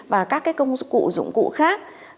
và các cái công cụ dụng cụ khác